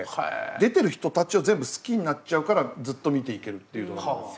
出てる人たちを全部好きになっちゃうからずっと見ていけるっていうドラマです。